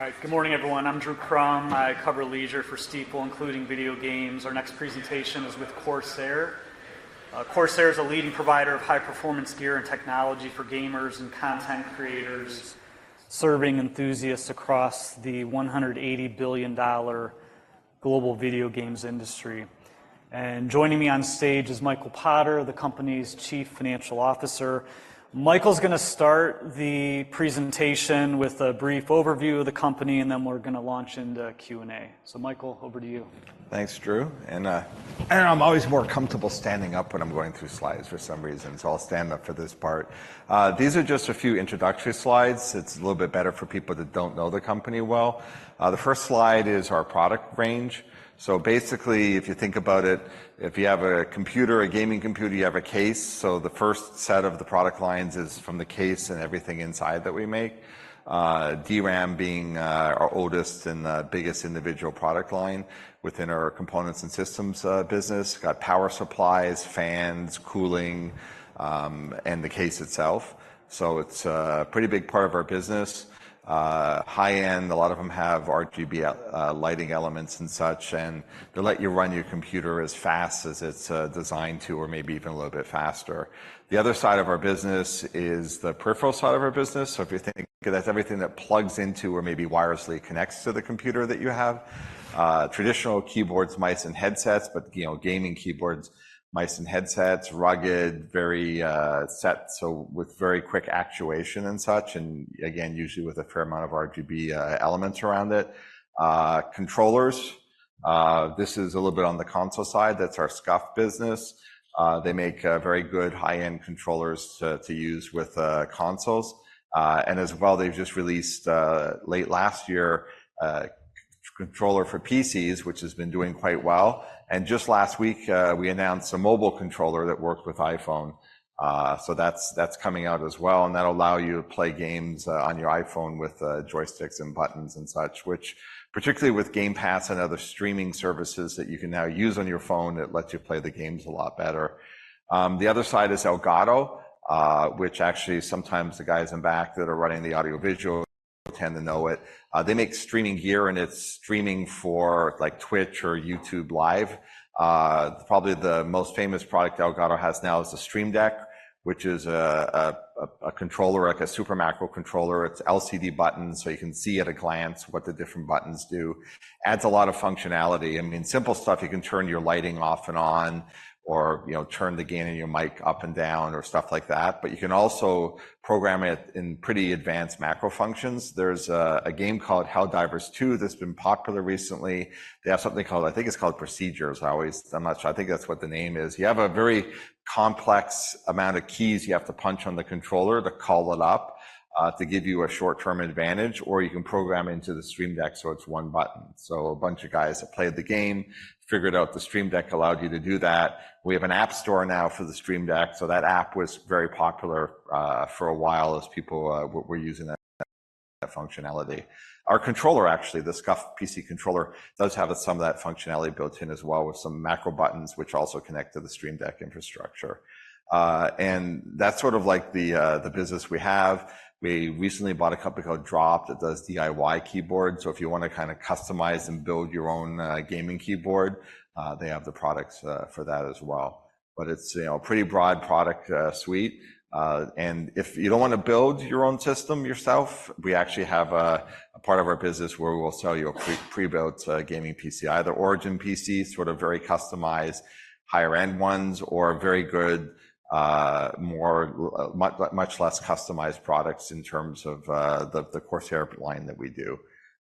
All right. Good morning, everyone. I'm Drew Crum. I cover leisure for Stifel, including video games. Our next presentation is with Corsair. Corsair is a leading provider of high-performance gear and technology for gamers and content creators, serving enthusiasts across the $180 billion global video games industry. And joining me on stage is Michael Potter, the company's Chief Financial Officer. Michael's gonna start the presentation with a brief overview of the company, and then we're gonna launch into Q&A. So Michael, over to you. Thanks, Drew, and, and I'm always more comfortable standing up when I'm going through slides for some reason, so I'll stand up for this part. These are just a few introductory slides. It's a little bit better for people that don't know the company well. The first slide is our product range. So basically, if you think about it, if you have a computer, a gaming computer, you have a case. So the first set of the product lines is from the case and everything inside that we make. DRAM being our oldest and biggest individual product line within our components and systems business. Got power supplies, fans, cooling, and the case itself. So it's a pretty big part of our business. High-end, a lot of them have RGB lighting elements and such, and they let you run your computer as fast as it's designed to or maybe even a little bit faster. The other side of our business is the peripheral side of our business. So if you think that's everything that plugs into or maybe wirelessly connects to the computer that you have. Traditional keyboards, mice, and headsets, but, you know, gaming keyboards, mice, and headsets, rugged, very set, so with very quick actuation and such, and again, usually with a fair amount of RGB elements around it. Controllers, this is a little bit on the console side. That's our SCUF business. They make very good high-end controllers to use with consoles. And as well, they've just released, late last year, a SCUF controller for PCs, which has been doing quite well. And just last week, we announced a mobile controller that worked with iPhone. So that's coming out as well, and that'll allow you to play games on your iPhone with joysticks and buttons and such, which particularly with Game Pass and other streaming services that you can now use on your phone, it lets you play the games a lot better. The other side is Elgato, which actually sometimes the guys in back that are running the audiovisual tend to know it. They make streaming gear, and it's streaming for, like, Twitch or YouTube Live. Probably the most famous product Elgato has now is the Stream Deck, which is a controller, like a super macro controller. It's LCD buttons, so you can see at a glance what the different buttons do. Adds a lot of functionality. I mean, simple stuff, you can turn your lighting off and on, or, you know, turn the gain in your mic up and down or stuff like that, but you can also program it in pretty advanced macro functions. There's a game called Helldivers 2 that's been popular recently. They have something called, I think it's called Procedures. I always... I'm not sure. I think that's what the name is. You have a very complex amount of keys you have to punch on the controller to call it up, to give you a short-term advantage, or you can program it into the Stream Deck, so it's one button. So a bunch of guys that played the game figured out the Stream Deck allowed you to do that. We have an app store now for the Stream Deck, so that app was very popular for a while as people were using that functionality. Our controller, actually, the SCUF PC controller, does have some of that functionality built in as well, with some macro buttons, which also connect to the Stream Deck infrastructure. And that's sort of like the business we have. We recently bought a company called Drop that does DIY keyboards. So if you want to kind of customize and build your own gaming keyboard, they have the products for that as well. But it's, you know, a pretty broad product suite. And if you don't want to build your own system yourself, we actually have a part of our business where we will sell you a pre-built gaming PC, either ORIGIN PC, sort of very customized, higher-end ones, or very good, much less customized products in terms of the Corsair line that we do.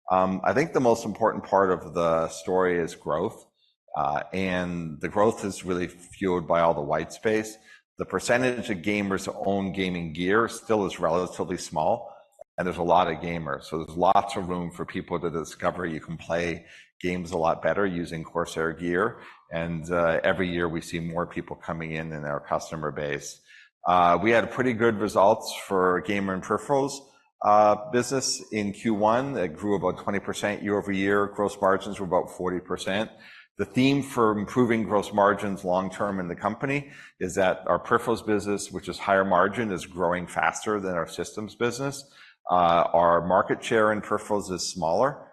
I think the most important part of the story is growth, and the growth is really fueled by all the white space. The percentage of gamers who own gaming gear still is relatively small, and there's a lot of gamers. So there's lots of room for people to discover you can play games a lot better using Corsair gear, and every year, we see more people coming in in our customer base. We had pretty good results for gamer and peripherals. Business in Q1, it grew about 20% year-over-year. Gross margins were about 40%. The theme for improving gross margins long term in the company is that our peripherals business, which is higher margin, is growing faster than our systems business. Our market share in peripherals is smaller.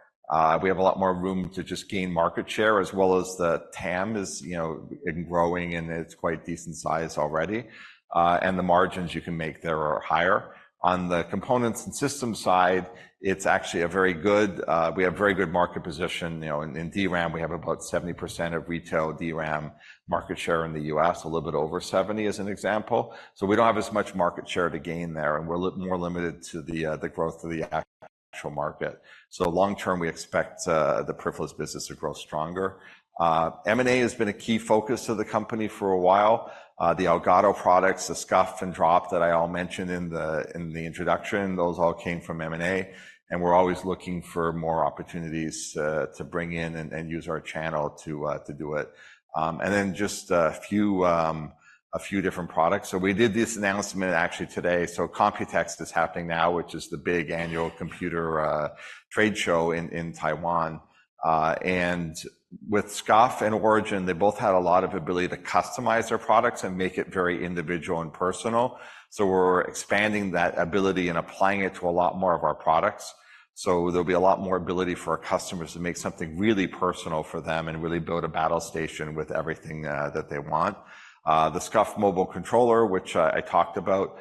We have a lot more room to just gain market share, as well as the TAM is, you know, growing, and it's quite decent size already, and the margins you can make there are higher. On the components and systems side, it's actually a very good. We have very good market position. You know, in, in DRAM, we have about 70% of retail DRAM market share in the U.S., a little bit over 70, as an example. So we don't have as much market share to gain there, and we're more limited to the growth of the actual market. So long term, we expect the peripherals business to grow stronger. M&A has been a key focus of the company for a while. The Elgato products, the SCUF and Drop that I all mentioned in the introduction, those all came from M&A, and we're always looking for more opportunities to bring in and use our channel to do it. And then just a few different products. So we did this announcement actually today. So Computex is happening now, which is the big annual computer trade show in Taiwan. With SCUF and Origin, they both had a lot of ability to customize their products and make it very individual and personal. So we're expanding that ability and applying it to a lot more of our products. So there'll be a lot more ability for our customers to make something really personal for them and really build a battle station with everything that they want. The SCUF Mobile Controller, which I talked about,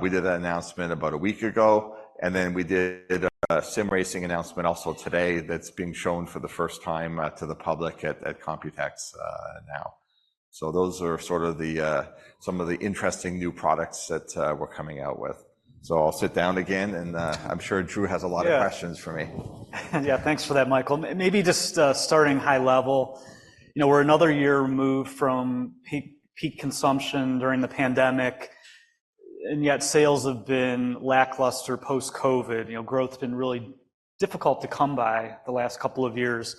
we did that announcement about a week ago, and then we did a sim racing announcement also today that's being shown for the first time to the public at Computex now. So those are sort of some of the interesting new products that we're coming out with. So I'll sit down again, and I'm sure Drew has a lot of questions for me. Yeah. Yeah, thanks for that, Michael. Maybe just starting high level, you know, we're another year removed from peak, peak consumption during the pandemic, and yet sales have been lackluster post-COVID. You know, growth's been really difficult to come by the last couple of years.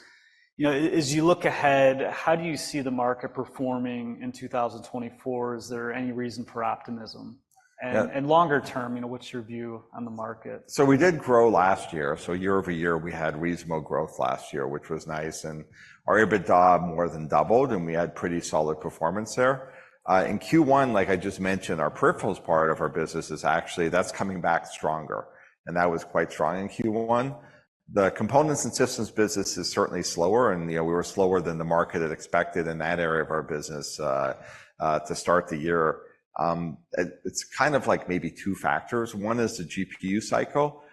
You know, as you look ahead, how do you see the market performing in 2024? Is there any reason for optimism? Yeah. Longer term, you know, what's your view on the market? So we did grow last year, so year over year, we had reasonable growth last year, which was nice, and our EBITDA more than doubled, and we had pretty solid performance there. In Q1, like I just mentioned, our peripherals part of our business is actually, that's coming back stronger, and that was quite strong in Q1. The components and systems business is certainly slower, and, you know, we were slower than the market had expected in that area of our business, to start the year. It's kind of like maybe two factors. One is the GPU cycle.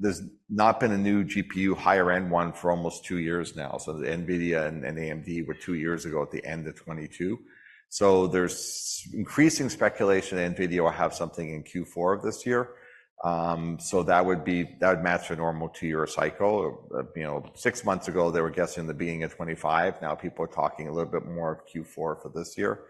There's not been a new GPU, higher-end one, for almost two years now. So the NVIDIA and AMD were two years ago at the end of 2022. So there's increasing speculation NVIDIA will have something in Q4 of this year. So that would match a normal two-year cycle. You know, six months ago, they were guessing the beginning of 2025, now people are talking a little bit more Q4 for this year.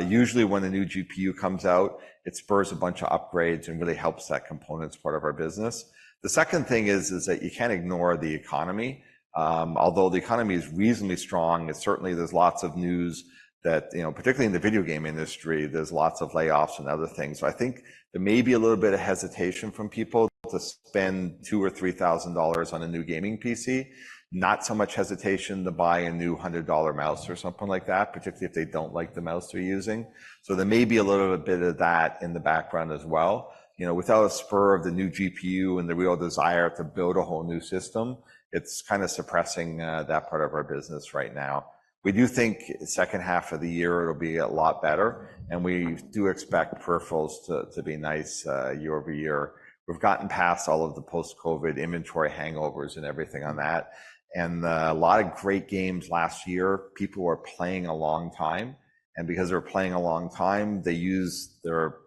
Usually, when a new GPU comes out, it spurs a bunch of upgrades and really helps that components part of our business. The second thing is, is that you can't ignore the economy. Although the economy is reasonably strong, certainly there's lots of news that, you know, particularly in the video game industry, there's lots of layoffs and other things. So I think there may be a little bit of hesitation from people to spend $2,000-$3,000 on a new gaming PC, not so much hesitation to buy a new $100 mouse or something like that, particularly if they don't like the mouse they're using. So there may be a little bit of that in the background as well. You know, without a spur of the new GPU and the real desire to build a whole new system, it's kind of suppressing that part of our business right now. We do think second half of the year it'll be a lot better, and we do expect peripherals to be nice year over year. We've gotten past all of the post-COVID inventory hangovers and everything on that, and a lot of great games last year, people were playing a long time. And because they were playing a long time, they used their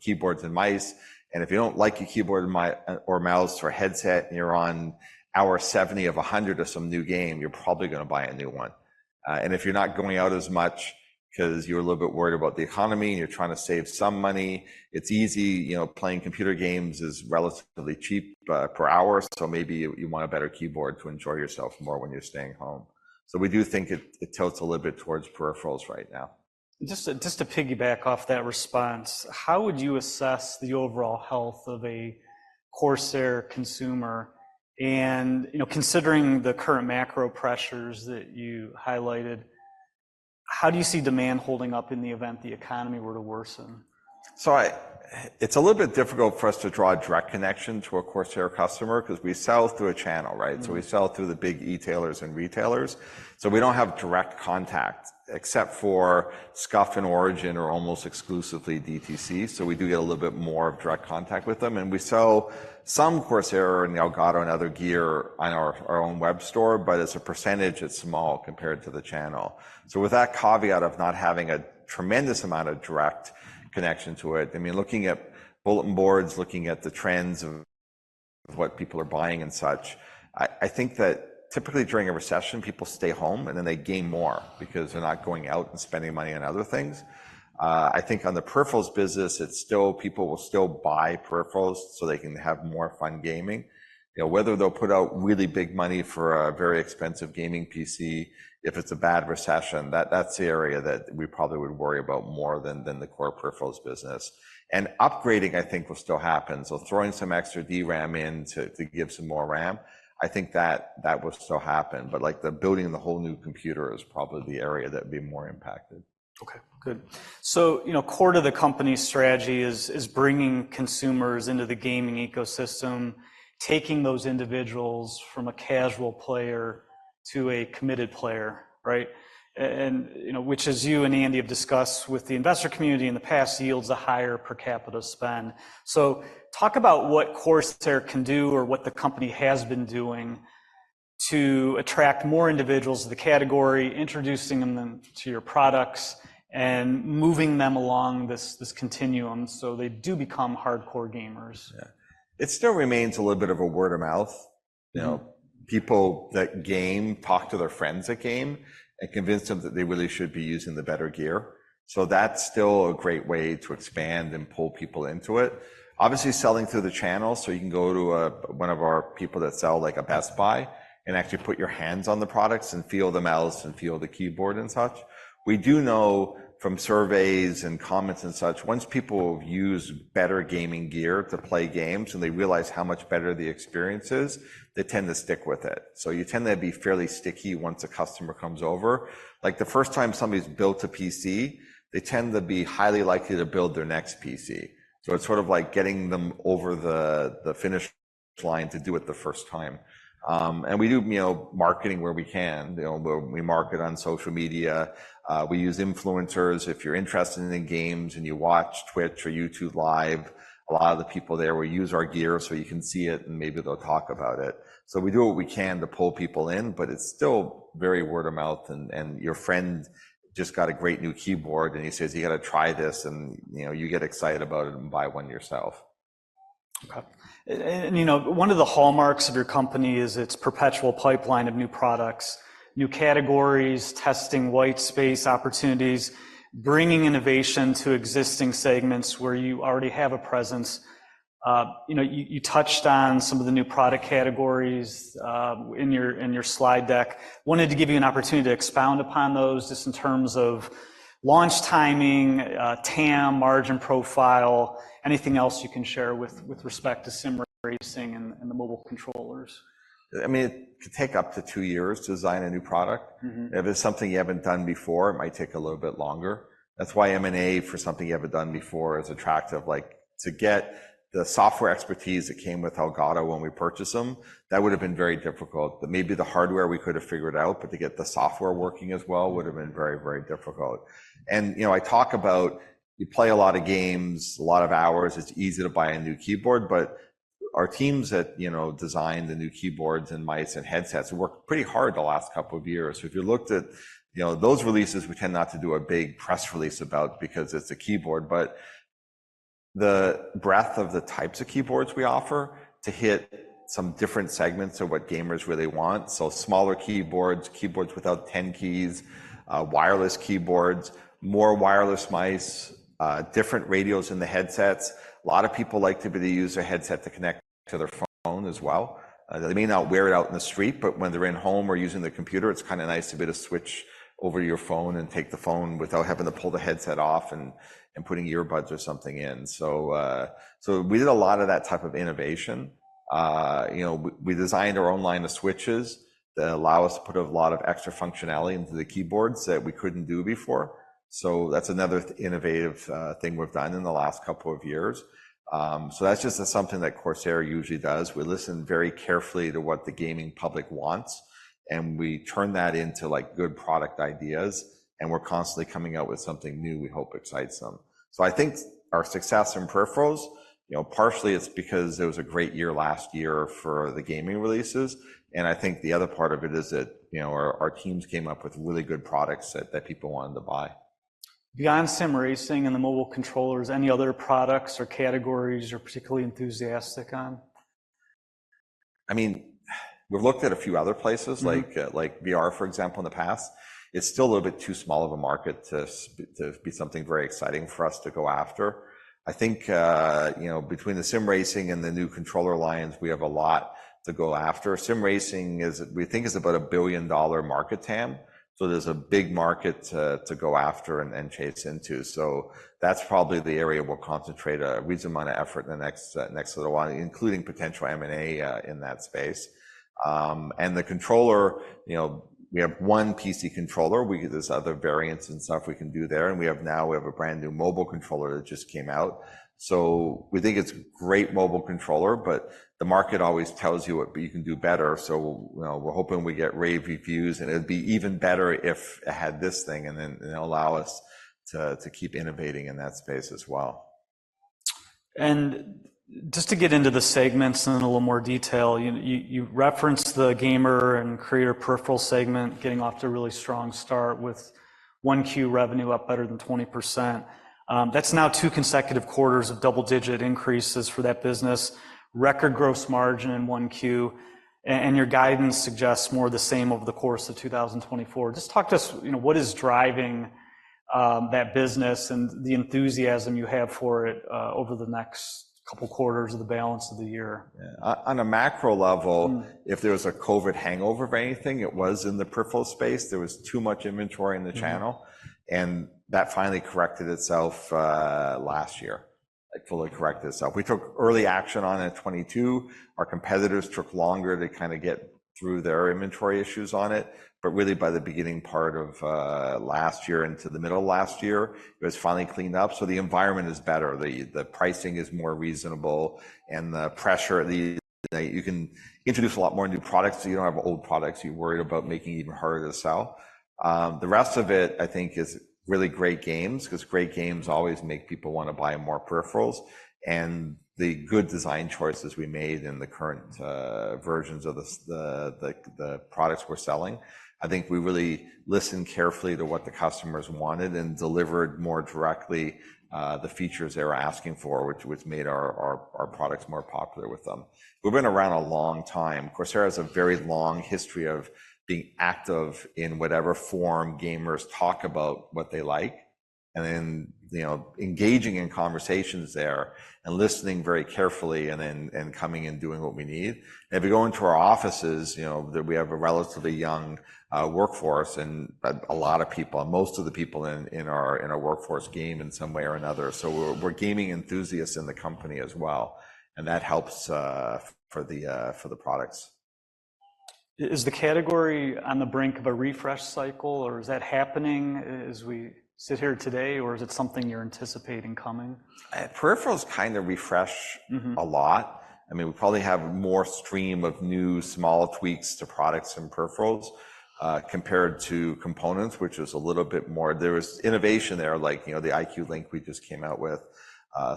keyboards and mice, and if you don't like your keyboard or mouse or headset, and you're on hour 70 of a 100 of some new game, you're probably gonna buy a new one. If you're not going out as much 'cause you're a little bit worried about the economy and you're trying to save some money, it's easy. You know, playing computer games is relatively cheap per hour, so maybe you want a better keyboard to enjoy yourself more when you're staying home. So we do think it tilts a little bit towards peripherals right now. Just to piggyback off that response, how would you assess the overall health of a Corsair consumer? And, you know, considering the current macro pressures that you highlighted, how do you see demand holding up in the event the economy were to worsen? So it's a little bit difficult for us to draw a direct connection to a Corsair customer 'cause we sell through a channel, right? Mm. So we sell through the big e-tailers and retailers, so we don't have direct contact, except for SCUF and Origin are almost exclusively DTC, so we do get a little bit more of direct contact with them. And we sell some Corsair and Elgato and other gear on our, our own web store, but as a percentage, it's small compared to the channel. So with that caveat of not having a tremendous amount of direct connection to it, I mean, looking at bulletin boards, looking at the trends of what people are buying and such, I, I think that typically during a recession, people stay home, and then they game more because they're not going out and spending money on other things. I think on the peripherals business, it's still, people will still buy peripherals so they can have more fun gaming. You know, whether they'll put out really big money for a very expensive gaming PC if it's a bad recession, that's the area that we probably would worry about more than the core peripherals business. And upgrading, I think, will still happen, so throwing some extra DRAM in to give some more RAM, I think that will still happen. But, like, the building of the whole new computer is probably the area that would be more impacted. Okay, good. So, you know, core to the company's strategy is bringing consumers into the gaming ecosystem, taking those individuals from a casual player to a committed player, right? And, you know, which as you and Andy have discussed with the investor community in the past, yields a higher per capita spend. So talk about what Corsair can do or what the company has been doing to attract more individuals to the category, introducing them to your products, and moving them along this, this continuum so they do become hardcore gamers. Yeah. It still remains a little bit of a word of mouth. You know, people that game talk to their friends that game and convince them that they really should be using the better gear, so that's still a great way to expand and pull people into it. Obviously, selling through the channel, so you can go to one of our people that sell, like a Best Buy, and actually put your hands on the products and feel the mouse and feel the keyboard and such. We do know from surveys and comments and such, once people use better gaming gear to play games and they realize how much better the experience is, they tend to stick with it. So you tend to be fairly sticky once a customer comes over. Like, the first time somebody's built a PC, they tend to be highly likely to build their next PC. So it's sort of like getting them over the finish line to do it the first time. And we do, you know, marketing where we can. You know, we market on social media, we use influencers. If you're interested in the games and you watch Twitch or YouTube Live, a lot of the people there will use our gear so you can see it, and maybe they'll talk about it. So we do what we can to pull people in, but it's still very word of mouth, and your friend just got a great new keyboard, and he says, "You gotta try this," and, you know, you get excited about it and buy one yourself. Okay. You know, one of the hallmarks of your company is its perpetual pipeline of new products, new categories, testing white space opportunities, bringing innovation to existing segments where you already have a presence. You know, you touched on some of the new product categories in your slide deck. Wanted to give you an opportunity to expound upon those, just in terms of launch timing, TAM, margin profile, anything else you can share with respect to sim racing and the mobile controllers. I mean, it could take up to two years to design a new product. Mm-hmm. If it's something you haven't done before, it might take a little bit longer. That's why M&A for something you haven't done before is attractive. Like, to get the software expertise that came with Elgato when we purchased them, that would have been very difficult. But maybe the hardware we could have figured out, but to get the software working as well would have been very, very difficult. And, you know, I talk about you play a lot of games, a lot of hours, it's easy to buy a new keyboard, but our teams that, you know, designed the new keyboards and mice and headsets worked pretty hard the last couple of years. So if you looked at... You know, those releases, we tend not to do a big press release about because it's a keyboard. But the breadth of the types of keyboards we offer to hit some different segments of what gamers really want, so smaller keyboards, keyboards without ten keys, wireless keyboards, more wireless mice, different radios in the headsets. A lot of people like to be able to use their headset to connect to their phone as well. They may not wear it out in the street, but when they're in home or using their computer, it's kinda nice to be able to switch over to your phone and take the phone without having to pull the headset off and putting earbuds or something in. So we did a lot of that type of innovation. You know, we designed our own line of switches that allow us to put a lot of extra functionality into the keyboards that we couldn't do before, so that's another innovative thing we've done in the last couple of years. So that's just something that Corsair usually does. We listen very carefully to what the gaming public wants, and we turn that into, like, good product ideas, and we're constantly coming out with something new we hope excites them. So I think our success in peripherals, you know, partially it's because it was a great year last year for the gaming releases, and I think the other part of it is that, you know, our teams came up with really good products that people wanted to buy. Beyond sim racing and the mobile controllers, any other products or categories you're particularly enthusiastic on? I mean, we've looked at a few other places- Mm. Like VR, for example, in the past. It's still a little bit too small of a market to be something very exciting for us to go after. I think, you know, between the sim racing and the new controller lines, we have a lot to go after. Sim racing, we think it's about a billion-dollar market TAM, so there's a big market to go after and chase into. So that's probably the area we'll concentrate a wee amount of effort in the next little while, including potential M&A in that space. And the controller, you know, we have one PC controller. There's other variants and stuff we can do there, and we have a brand-new mobile controller that just came out. So we think it's a great mobile controller, but the market always tells you what you can do better. So, you know, we're hoping we get rave reviews, and it'd be even better if it had this thing, and then it'll allow us to keep innovating in that space as well. Just to get into the segments in a little more detail, you referenced the gamer and creator peripheral segment getting off to a really strong start with 1Q revenue up better than 20%. That's now two consecutive quarters of double-digit increases for that business, record gross margin in 1Q, and your guidance suggests more of the same over the course of 2024. Just talk to us, you know, what is driving that business and the enthusiasm you have for it over the next couple quarters of the balance of the year? On a macro level- Mm... if there was a COVID hangover of anything, it was in the peripheral space. There was too much inventory in the channel. Mm. And that finally corrected itself last year. It fully corrected itself. We took early action on it in 2022. Our competitors took longer to kinda get through their inventory issues on it, but really by the beginning part of last year into the middle of last year, it was finally cleaned up, so the environment is better. The pricing is more reasonable, and the pressure you can introduce a lot more new products, so you don't have old products you're worried about making even harder to sell. The rest of it, I think, is really great games, 'cause great games always make people wanna buy more peripherals, and the good design choices we made in the current versions of the products we're selling. I think we really listened carefully to what the customers wanted and delivered more directly the features they were asking for, which made our products more popular with them. We've been around a long time. Corsair has a very long history of being active in whatever form gamers talk about what they like, and then, you know, engaging in conversations there and listening very carefully and then coming and doing what we need. If you go into our offices, you know, we have a relatively young workforce and a lot of people, most of the people in our workforce game in some way or another. So we're gaming enthusiasts in the company as well, and that helps for the products.... Is the category on the brink of a refresh cycle, or is that happening as we sit here today, or is it something you're anticipating coming? Peripherals kind of refresh- Mm-hmm. A lot. I mean, we probably have more stream of new small tweaks to products and peripherals, compared to components, which is a little bit more. There is innovation there, like, you know, the iCUE LINK we just came out with,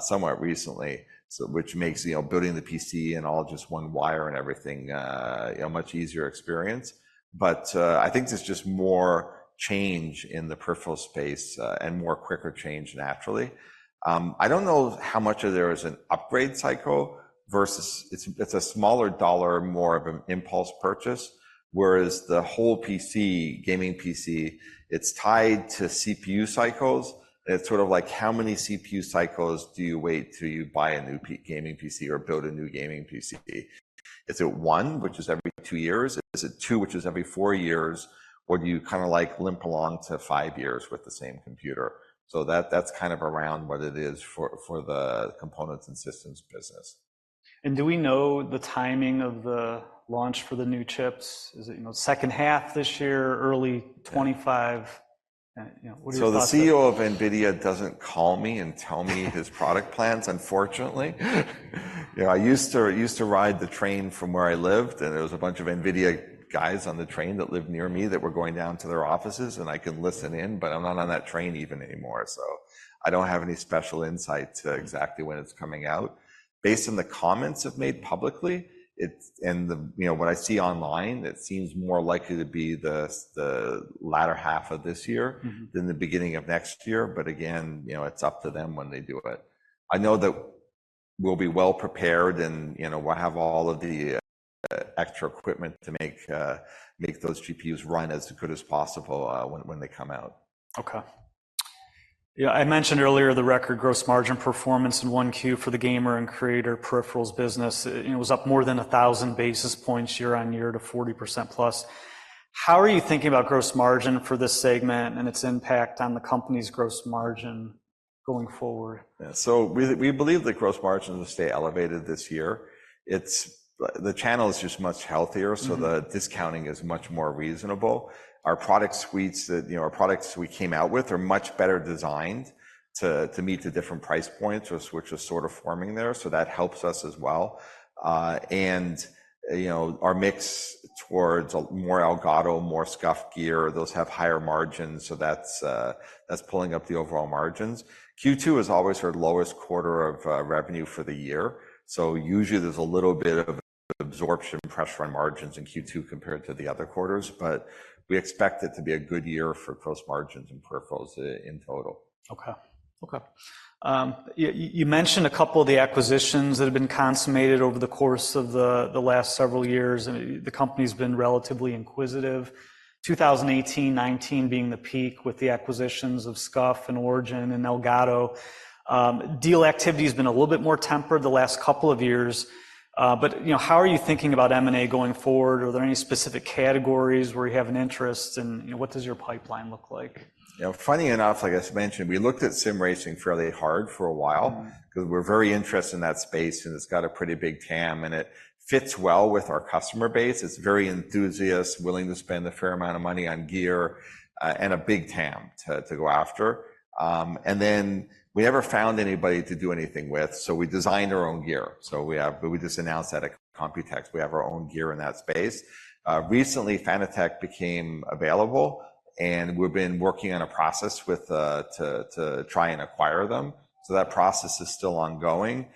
somewhat recently. So which makes, you know, building the PC in all just one wire and everything, a much easier experience. But, I think there's just more change in the peripheral space, and more quicker change naturally. I don't know how much of there is an upgrade cycle versus it's, it's a smaller dollar, more of an impulse purchase, whereas the whole PC, gaming PC, it's tied to CPU cycles. It's sort of like how many CPU cycles do you wait till you buy a new gaming PC or build a new gaming PC? Is it one, which is every two years? Is it 2, which is every 4 years? Or do you kind of, like, limp along to 5 years with the same computer? So that, that's kind of around what it is for, for the components and systems business. Do we know the timing of the launch for the new chips? Is it, you know, second half this year, early 2025? You know, what are your thoughts there? So the CEO of NVIDIA doesn't call me and tell me his product plans, unfortunately. You know, I used to, I used to ride the train from where I lived, and there was a bunch of NVIDIA guys on the train that lived near me that were going down to their offices, and I could listen in, but I'm not on that train even anymore, so I don't have any special insight to exactly when it's coming out. Based on the comments they've made publicly, it and the, you know, what I see online, it seems more likely to be the the latter half of this year. Mm-hmm... than the beginning of next year. But again, you know, it's up to them when they do it. I know that we'll be well prepared, and, you know, we'll have all of the extra equipment to make those GPUs run as good as possible, when they come out. Okay. Yeah, I mentioned earlier the record gross margin performance in Q1 for the gamer and creator peripherals business. It, you know, was up more than 1,000 basis points year-on-year to 40%+. How are you thinking about gross margin for this segment and its impact on the company's gross margin going forward? So we believe that gross margins will stay elevated this year. It's - the channel is just much healthier- Mm-hmm... so the discounting is much more reasonable. Our product suits that, you know, our products we came out with are much better designed to, to meet the different price points, which is sort of forming there, so that helps us as well. And, you know, our mix towards more Elgato, more SCUF Gear, those have higher margins, so that's, that's pulling up the overall margins. Q2 is always our lowest quarter of, revenue for the year, so usually there's a little bit of absorption pressure on margins in Q2 compared to the other quarters, but we expect it to be a good year for gross margins and peripherals in total. Okay. Okay. You mentioned a couple of the acquisitions that have been consummated over the course of the last several years, and the company's been relatively inquisitive. 2018, 2019 being the peak with the acquisitions of SCUF and Origin and Elgato. Deal activity has been a little bit more tempered the last couple of years, but, you know, how are you thinking about M&A going forward? Are there any specific categories where you have an interest, and, you know, what does your pipeline look like? You know, funny enough, like I mentioned, we looked at sim racing fairly hard for a while- Mm-hmm. because we're very interested in that space, and it's got a pretty big TAM, and it fits well with our customer base. It's very enthusiast, willing to spend a fair amount of money on gear, and a big TAM to go after. And then we never found anybody to do anything with, so we designed our own gear. So we have. We just announced that at Computex. We have our own gear in that space. Recently, Fanatec became available, and we've been working on a process with to try and acquire them, so that process is still ongoing.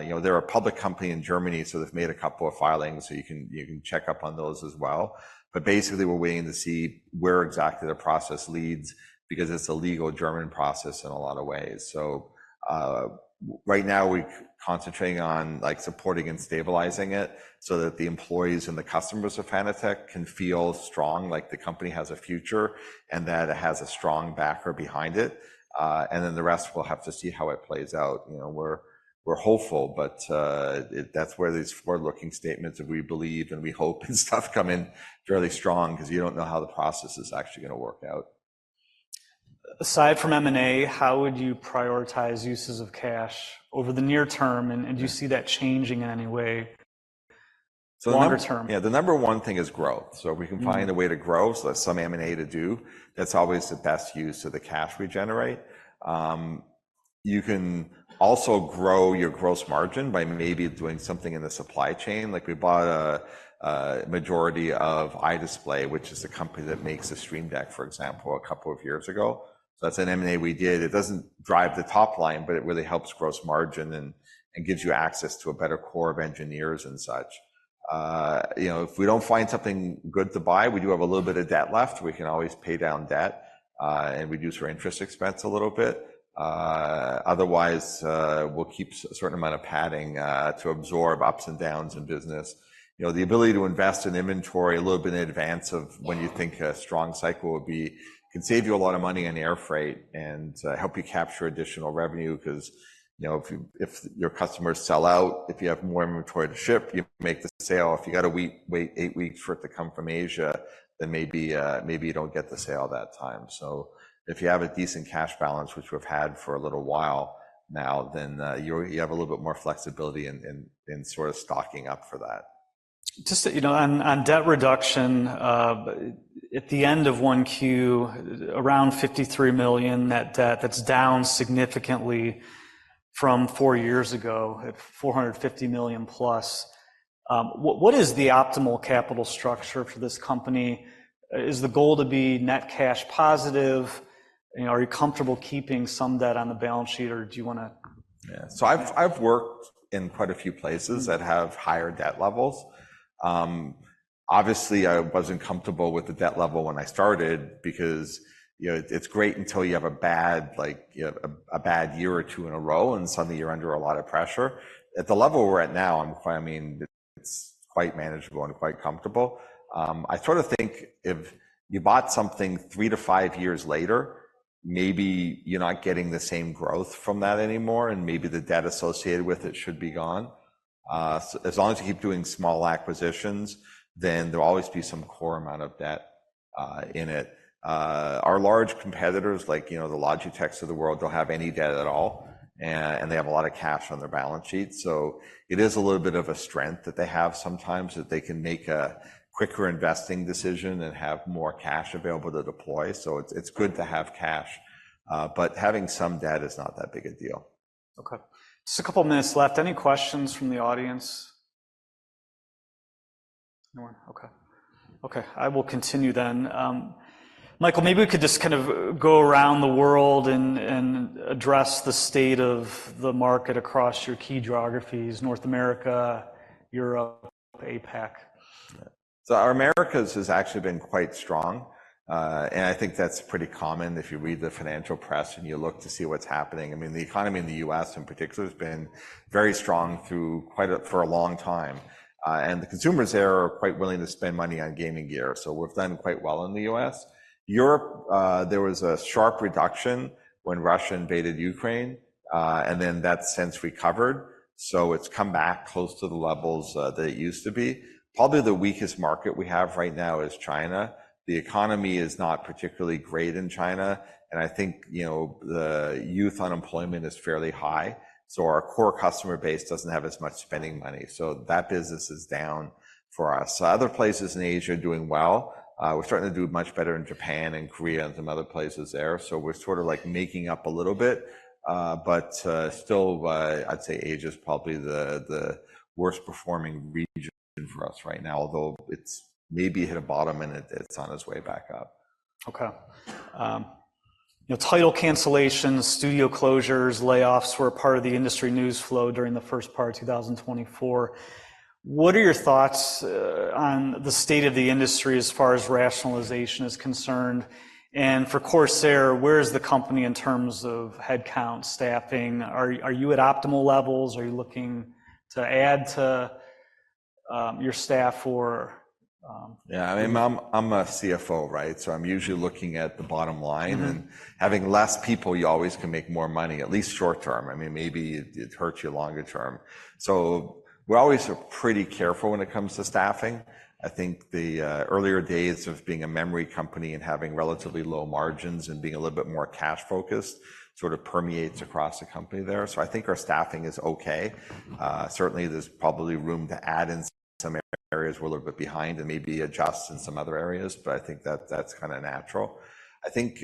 You know, they're a public company in Germany, so they've made a couple of filings, so you can check up on those as well. But basically, we're waiting to see where exactly the process leads because it's a legal German process in a lot of ways. So, right now we're concentrating on, like, supporting and stabilizing it so that the employees and the customers of Fanatec can feel strong, like the company has a future, and that it has a strong backer behind it. And then the rest, we'll have to see how it plays out. You know, we're hopeful, but it, that's where these forward-looking statements that we believe and we hope and stuff come in fairly strong because you don't know how the process is actually gonna work out. Aside from M&A, how would you prioritize uses of cash over the near term? Yeah. Do you see that changing in any way, longer term? The number one thing is growth. Mm-hmm. So if we can find a way to grow, so there's some M&A to do, that's always the best use of the cash we generate. You can also grow your gross margin by maybe doing something in the supply chain. Like we bought a majority of iDisplay, which is the company that makes the Stream Deck, for example, a couple of years ago. So that's an M&A we did. It doesn't drive the top line, but it really helps gross margin and gives you access to a better core of engineers and such. You know, if we don't find something good to buy, we do have a little bit of debt left. We can always pay down debt and reduce our interest expense a little bit. Otherwise, we'll keep a certain amount of padding to absorb ups and downs in business. You know, the ability to invest in inventory a little bit in advance of when you think a strong cycle will be, can save you a lot of money on air freight and help you capture additional revenue because, you know, if your customers sell out, if you have more inventory to ship, you make the sale. If you got to wait 8 weeks for it to come from Asia, then maybe you don't get the sale that time. So if you have a decent cash balance, which we've had for a little while now, then you have a little bit more flexibility in sort of stocking up for that. Just that, you know, on debt reduction, at the end of 1Q, around $53 million net debt, that's down significantly from four years ago, at $450 million plus. What is the optimal capital structure for this company? Is the goal to be net cash positive? You know, are you comfortable keeping some debt on the balance sheet, or do you wanna- Yeah. So I've worked in quite a few places that have higher debt levels. Obviously, I wasn't comfortable with the debt level when I started because, you know, it's great until you have a bad, like, you know, a bad year or two in a row, and suddenly you're under a lot of pressure. At the level we're at now, I'm quite, I mean, it's quite manageable and quite comfortable. I sort of think if you bought something three to five years later, maybe you're not getting the same growth from that anymore, and maybe the debt associated with it should be gone. As long as you keep doing small acquisitions, then there'll always be some core amount of debt in it. Our large competitors, like, you know, the Logitechs of the world, don't have any debt at all, and they have a lot of cash on their balance sheet, so it is a little bit of a strength that they have sometimes, that they can make a quicker investing decision and have more cash available to deploy, so it's, it's good to have cash. But having some debt is not that big a deal. Okay. Just a couple of minutes left. Any questions from the audience? No one. Okay. Okay, I will continue then. Michael, maybe we could just kind of go around the world and address the state of the market across your key geographies: North America, Europe, APAC. So our Americas has actually been quite strong. I think that's pretty common if you read the financial press, and you look to see what's happening. I mean, the economy in the U.S., in particular, has been very strong for a long time. The consumers there are quite willing to spend money on gaming gear, so we've done quite well in the U.S. Europe, there was a sharp reduction when Russia invaded Ukraine, and then that since recovered, so it's come back close to the levels that it used to be. Probably the weakest market we have right now is China. The economy is not particularly great in China, and I think, you know, the youth unemployment is fairly high, so our core customer base doesn't have as much spending money. So that business is down for us. Other places in Asia are doing well. We're starting to do much better in Japan and Korea and some other places there, so we're sort of, like, making up a little bit. But I'd say Asia is probably the worst-performing region for us right now, although it's maybe hit a bottom, and it's on its way back up. Okay. You know, title cancellations, studio closures, layoffs were a part of the industry news flow during the first part of 2024. What are your thoughts on the state of the industry as far as rationalization is concerned? And for Corsair, where is the company in terms of headcount, staffing? Are you at optimal levels? Are you looking to add to your staff or Yeah, I mean, I'm a CFO, right? So I'm usually looking at the bottom line. Mm-hmm. Having less people, you always can make more money, at least short term. I mean, maybe it hurts you longer term. So we're always pretty careful when it comes to staffing. I think the earlier days of being a memory company and having relatively low margins and being a little bit more cash focused, sort of permeates across the company there. So I think our staffing is okay. Certainly, there's probably room to add in some areas we're a little bit behind and maybe adjust in some other areas, but I think that that's kinda natural. I think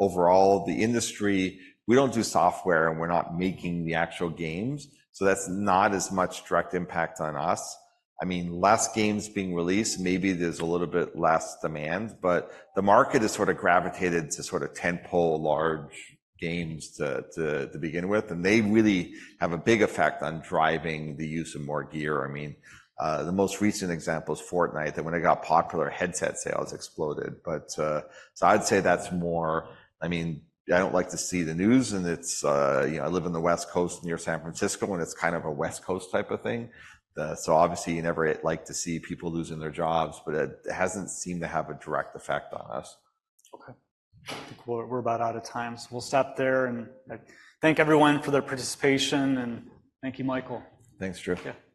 overall, the industry... We don't do software, and we're not making the actual games, so that's not as much direct impact on us. I mean, less games being released, maybe there's a little bit less demand, but the market has sort of gravitated to sort of tentpole large games to begin with, and they really have a big effect on driving the use of more gear. I mean, the most recent example is Fortnite, that when it got popular, headset sales exploded. But, so I'd say that's more... I mean, I don't like to see the news, and it's, you know, I live in the West Coast, near San Francisco, and it's kind of a West Coast type of thing. So obviously, you never like to see people losing their jobs, but it hasn't seemed to have a direct effect on us. Okay. Well, we're about out of time, so we'll stop there. I thank everyone for their participation, and thank you, Michael. Thanks, Drew. Yeah. Thanks.